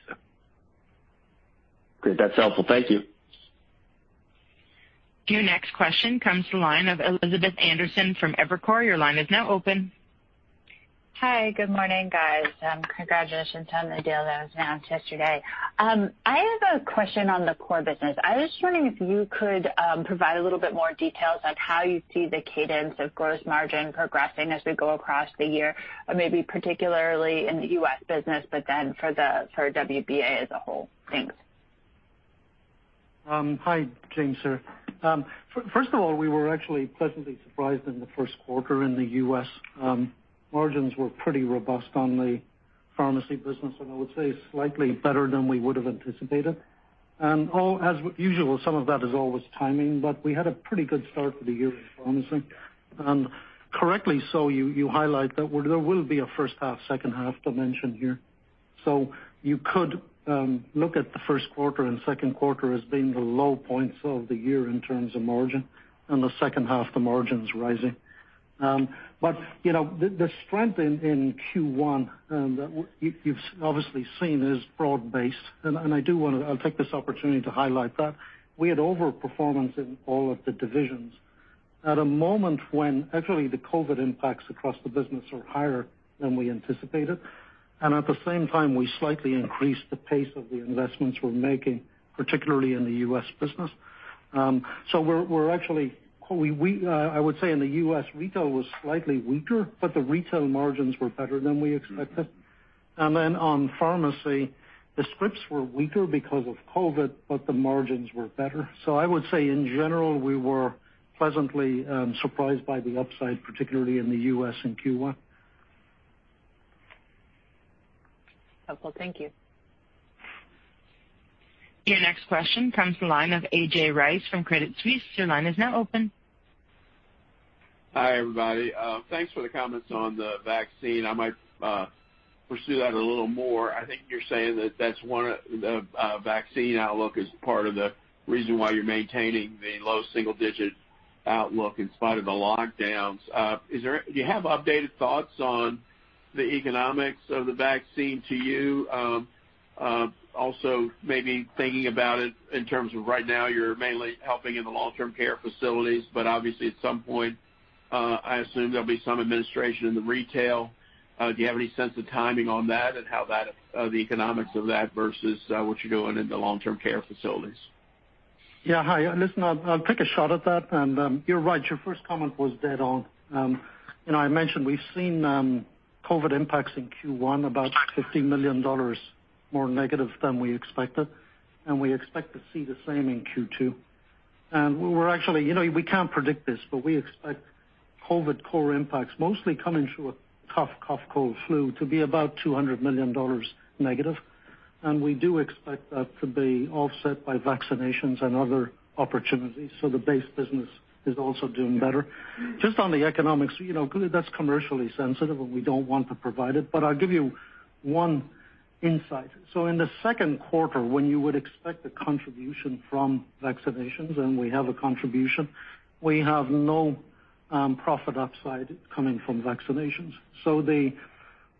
Great. That's helpful. Thank you. Your next question comes from the line of Elizabeth Anderson from Evercore. Your line is now open. Hi. Good morning, guys. Congratulations on the deal that was announced yesterday. I have a question on the core business. I was just wondering if you could provide a little bit more details on how you see the cadence of gross margin progressing as we go across the year, maybe particularly in the U.S. business, but then for WBA as a whole. Thanks. Hi, James here. First of all, we were actually pleasantly surprised in the first quarter in the U.S. Margins were pretty robust on the pharmacy business. I would say slightly better than we would have anticipated. As usual, some of that is always timing. We had a pretty good start to the year with pharmacy. Correctly so, you highlight that there will be a first half, second half dimension here. You could look at the first quarter and second quarter as being the low points of the year in terms of margin. The second half, the margin's rising. The strength in Q1 that you've obviously seen is broad-based. I'll take this opportunity to highlight that. We had overperformance in all of the divisions at a moment when actually the COVID impacts across the business were higher than we anticipated. At the same time, we slightly increased the pace of the investments we're making, particularly in the U.S. business. We're actually, I would say in the U.S., retail was slightly weaker, but the retail margins were better than we expected. On pharmacy, the scripts were weaker because of COVID, but the margins were better. I would say in general, we were pleasantly surprised by the upside, particularly in the U.S. in Q1. Helpful. Thank you. Your next question comes from the line of A.J. Rice from Credit Suisse. Your line is now open. Hi, everybody. Thanks for the comments on the vaccine. I might pursue that a little more. I think you're saying that the vaccine outlook is part of the reason why you're maintaining the low single-digit outlook in spite of the lockdowns. Do you have updated thoughts on the economics of the vaccine to you? Maybe thinking about it in terms of right now, you're mainly helping in the long-term care facilities, but obviously at some point, I assume there'll be some administration in the retail. Do you have any sense of timing on that and the economics of that versus what you're doing in the long-term care facilities? Yeah. Hi. Listen, I'll take a shot at that. You're right, your first comment was dead on. I mentioned we've seen COVID impacts in Q1, about $50 million more negative than we expected, we expect to see the same in Q2. We can't predict this, we expect COVID core impacts mostly coming through a tough cough, cold, flu to be about -$200 million. We do expect that to be offset by vaccinations and other opportunities. The base business is also doing better. Just on the economics, clearly that's commercially sensitive and we don't want to provide it, but I'll give you one insight. In the second quarter, when you would expect the contribution from vaccinations, we have a contribution, we have no profit upside coming from vaccinations.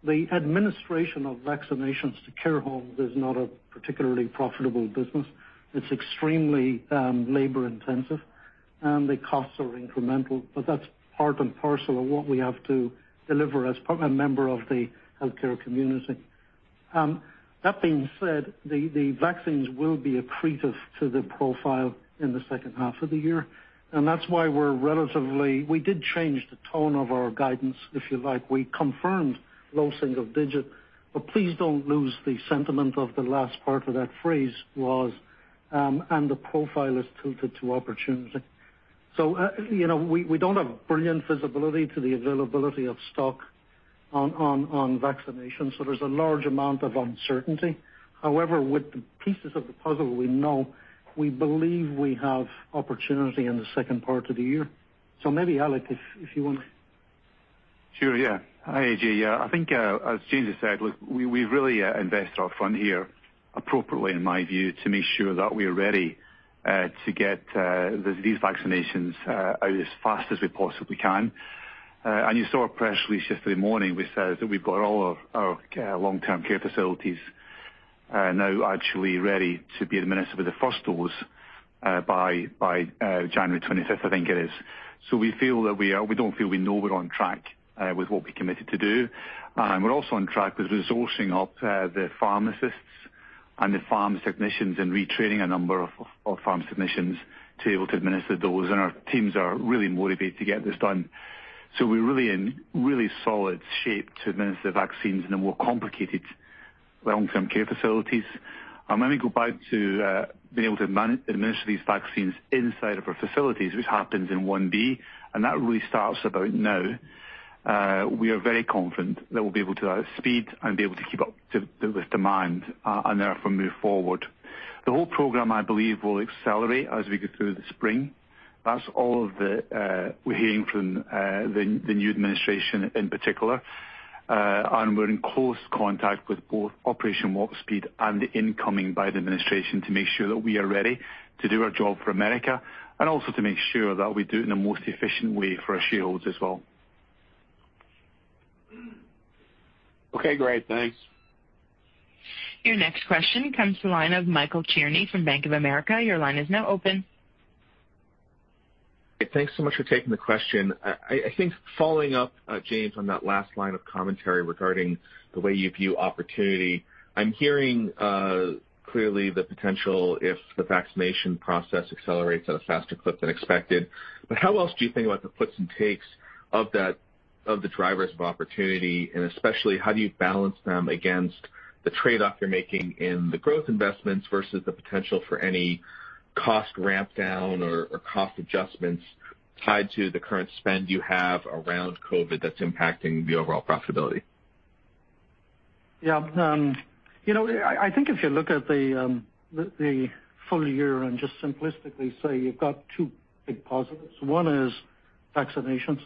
The administration of vaccinations to care homes is not a particularly profitable business. It's extremely labor-intensive, and the costs are incremental, but that's part and parcel of what we have to deliver as a member of the healthcare community. That being said, the vaccines will be accretive to the profile in the second half of the year, that's why We did change the tone of our guidance, if you like. We confirmed low single digit, please don't lose the sentiment of the last part of that phrase was, the profile is tilted to opportunity. We don't have brilliant visibility to the availability of stock on vaccinations. There's a large amount of uncertainty. However, with the pieces of the puzzle we know, we believe we have opportunity in the second part of the year. Maybe Alex, if you want to Sure, yeah. Hi, A.J. I think, as James has said, look, we've really invested our front here appropriately in my view, to make sure that we are ready to get these vaccinations out as fast as we possibly can. You saw our press release yesterday morning, which says that we've got all of our long-term care facilities now actually ready to be administered with the first dose by January 25th, I think it is. We feel that we are. We don't feel, we know we're on track with what we committed to do. We're also on track with resourcing up the pharmacists and the pharmacy technicians, and retraining a number of pharmacy technicians to be able to administer those. Our teams are really motivated to get this done. We're really in solid shape to administer vaccines in the more complicated long-term care facilities. Let me go back to being able to administer these vaccines inside of our facilities, which happens in phase I-b, and that really starts about now. We are very confident that we'll be able to have speed and be able to keep up with demand, and therefore move forward. The whole program, I believe, will accelerate as we go through the spring. That's all we're hearing from the new administration in particular. We're in close contact with both Operation Warp Speed and the incoming Biden administration to make sure that we are ready to do our job for America, and also to make sure that we do it in the most efficient way for our shareholders as well. Okay, great. Thanks. Your next question comes to the line of Michael Cherny from Bank of America. Your line is now open. Thanks so much for taking the question. I think following up, James, on that last line of commentary regarding the way you view opportunity, I'm hearing clearly the potential if the vaccination process accelerates at a faster clip than expected. How else do you think about the puts and takes of the drivers of opportunity? Especially, how do you balance them against the trade-off you're making in the growth investments versus the potential for any cost ramp down or cost adjustments tied to the current spend you have around COVID that's impacting the overall profitability? I think if you look at the full year and just simplistically say you've got two big positives. One is vaccinations,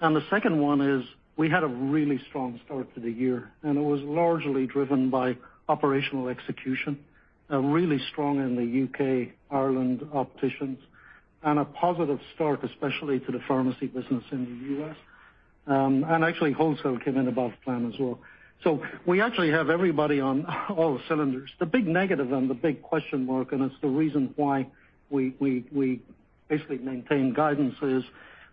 and the second is we had a really strong start to the year, and it was largely driven by operational execution. Really strong in the U.K., Boots Opticians, and a positive start, especially to the pharmacy business in the U.S. Actually wholesale came in above plan as well. We actually have everybody on all the cylinders. The big negative and the big question mark, and it's the reason why we basically maintain guidance, is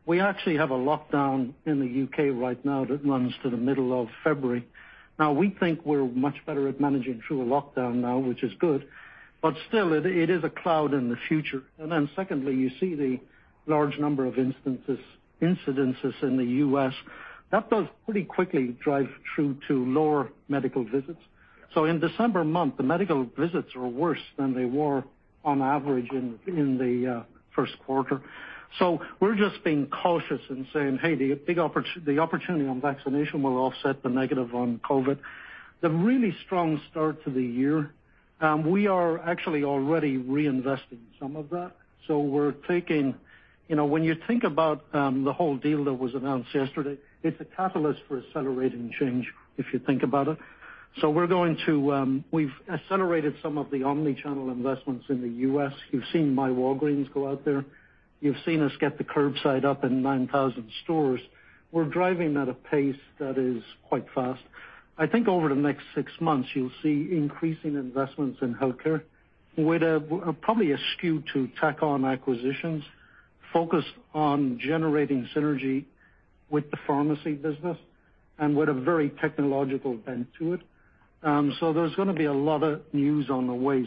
we actually have a lockdown in the U.K. right now that runs to the middle of February. We think we're much better at managing through a lockdown now, which is good, but still, it is a cloud in the future. Secondly, you see the large number of incidences in the U.S. That does pretty quickly drive through to lower medical visits. In December month, the medical visits were worse than they were on average in the first quarter. We're just being cautious and saying, "Hey, the opportunity on vaccination will offset the negative on COVID." The really strong start to the year, we are actually already reinvesting some of that. When you think about the whole deal that was announced yesterday, it's a catalyst for accelerating change, if you think about it. We've accelerated some of the omni-channel investments in the U.S. You've seen myWalgreens go out there. You've seen us get the curbside up in 9,000 stores. We're driving at a pace that is quite fast. I think over the next six months, you'll see increasing investments in healthcare with probably a skew to tack on acquisitions, focus on generating synergy with the pharmacy business and with a very technological bent to it. There's going to be a lot of news on the way.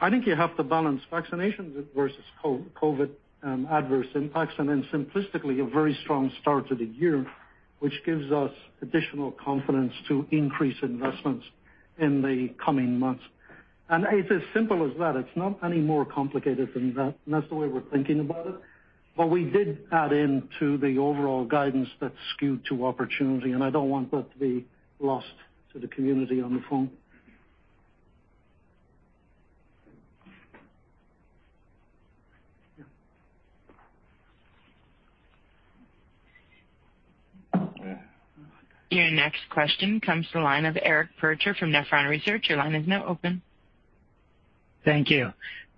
I think you have to balance vaccinations versus COVID adverse impacts, and then simplistically, a very strong start to the year, which gives us additional confidence to increase investments in the coming months. It's as simple as that. It's not any more complicated than that, and that's the way we're thinking about it. We did add into the overall guidance that skewed to opportunity, and I don't want that to be lost to the community on the phone. Your next question comes to the line of Eric Percher from Nephron Research. Your line is now open. Thank you.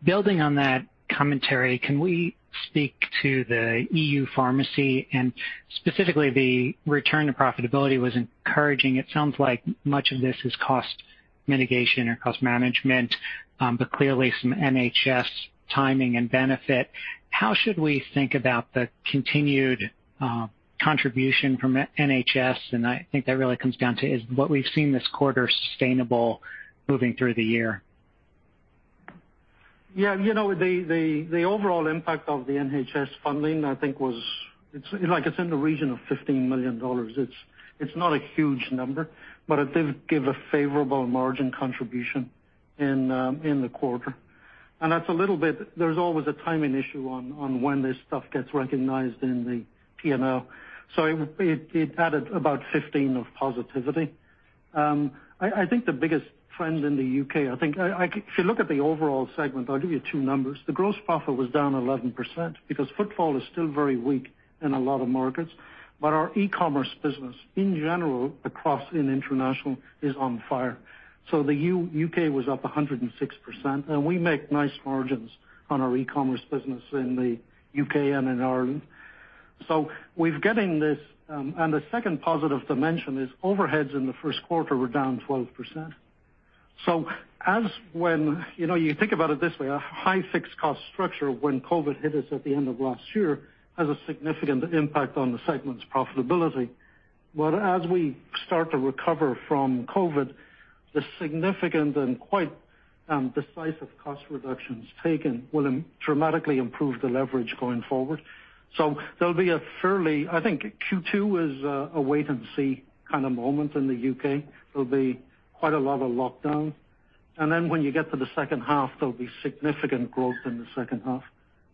Building on that commentary, can we speak to the EU pharmacy and specifically the return to profitability was encouraging. It sounds like much of this is cost mitigation or cost management, but clearly some NHS timing and benefit. How should we think about the continued contribution from NHS? I think that really comes down to, is what we've seen this quarter sustainable moving through the year? Yeah. The overall impact of the NHS funding, I think it's in the region of $15 million. It's not a huge number, but it did give a favorable margin contribution in the quarter. That's a little bit, there's always a timing issue on when this stuff gets recognized in the P&L. It added about $15 of positivity. I think the biggest trend in the U.K., if you look at the overall segment, I'll give you two numbers. The gross profit was down 11% because footfall is still very weak in a lot of markets. Our e-commerce business in general across in international is on fire. The U.K. was up 106%, and we make nice margins on our e-commerce business in the U.K. and in Ireland. The second positive dimension is overheads in the first quarter were down 12%. You think about it this way, a high fixed cost structure when COVID hit us at the end of last year has a significant impact on the segment's profitability. As we start to recover from COVID, the significant and quite decisive cost reductions taken will dramatically improve the leverage going forward. I think Q2 is a wait and see kind of moment in the U.K. There'll be quite a lot of lockdown. When you get to the second half, there'll be significant growth in the second half.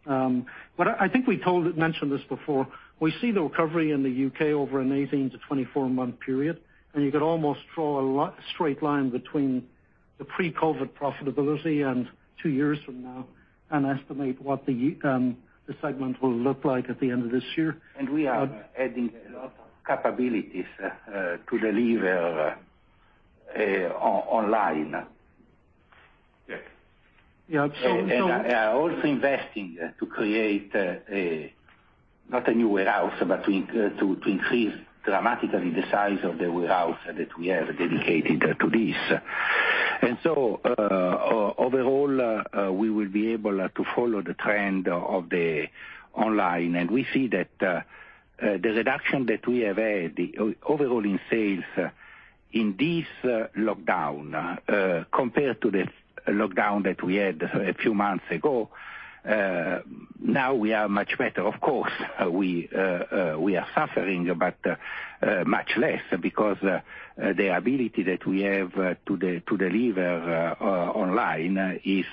I think we mentioned this before. We see the recovery in the U.K. over an 18-24 month period, and you could almost draw a straight line between the pre-COVID profitability and two years from now and estimate what the segment will look like at the end of this year. We are adding a lot of capabilities to deliver online. Yeah. Also investing to create not a new warehouse, but to increase dramatically the size of the warehouse that we have dedicated to this. Overall, we will be able to follow the trend of the online. We see that the reduction that we have had overall in sales in this lockdown compared to the lockdown that we had a few months ago, now we are much better. Of course, we are suffering, but much less because the ability that we have to deliver online is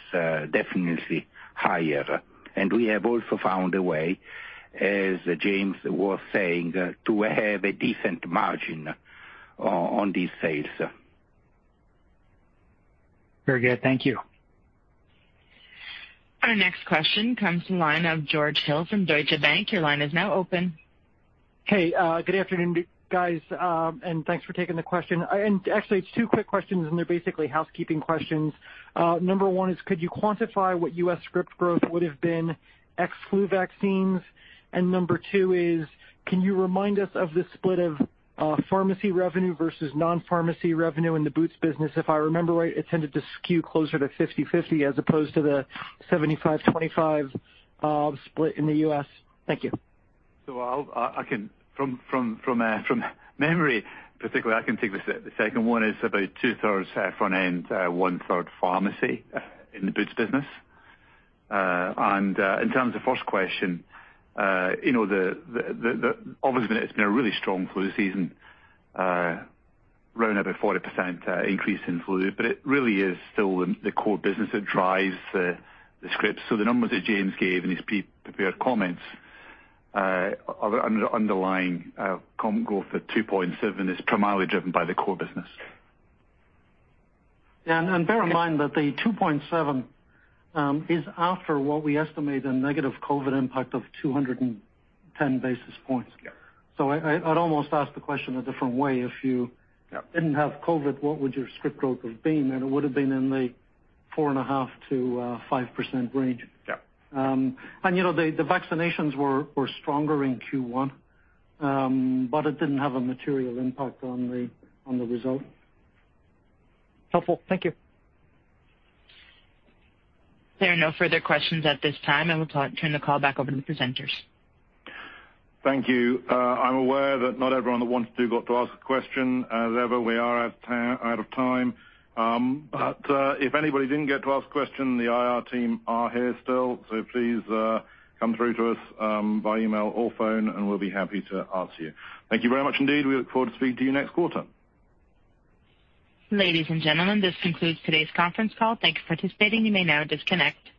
definitely higher. We have also found a way, as James was saying, to have a decent margin on these sales. Very good. Thank you. Our next question comes from the line of George Hill from Deutsche Bank. Your line is now open. Hey, good afternoon, guys, and thanks for taking the question. Actually, it's two quick questions, and they're basically housekeeping questions. Number one is could you quantify what U.S. script growth would have been ex flu vaccines? Number two is can you remind us of the split of pharmacy revenue versus non-pharmacy revenue in the Boots business? If I remember right, it tended to skew closer to 50/50 as opposed to the 75/25 split in the U.S. Thank you. From memory, particularly I can take the second one, is about two-thirds front end, one-third pharmacy in the Boots business. In terms of first question, obviously it's been a really strong flu season. Around about 40% increase in flu, but it really is still the core business that drives the scripts. The numbers that James gave in his prepared comments are underlying comp growth at 2.7% is primarily driven by the core business. Bear in mind that the 2.7% is after what we estimate a negative COVID impact of 210 basis points. Yeah. I'd almost ask the question a different way. If you didn't have COVID, what would your script growth have been? It would have been in the 4.5%-5% range. Yeah. The vaccinations were stronger in Q1, but it didn't have a material impact on the result. Helpful. Thank you. There are no further questions at this time, and we'll turn the call back over to the presenters. Thank you. I'm aware that not everyone that wanted to got to ask a question, as ever, we are out of time. If anybody didn't get to ask a question, the IR team are here still. Please come through to us by email or phone, and we'll be happy to answer you. Thank you very much indeed. We look forward to speaking to you next quarter. Ladies and gentlemen, this concludes today's conference call. Thank you for participating. You may now disconnect.